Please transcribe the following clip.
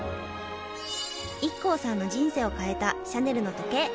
ＩＫＫＯさんの人生を変えたシャネルの時計